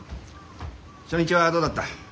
初日はどうだった？